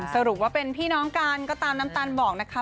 สรุปว่าเป็นพี่น้องกันก็ตามน้ำตาลบอกนะคะ